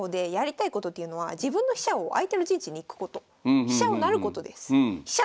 飛車を成ることです。